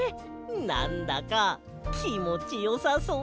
なんだかきもちよさそう！